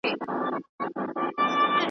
د پردیو په کمال ګوري جهان ته .